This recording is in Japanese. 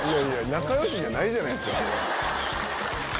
仲良しじゃないじゃないですか。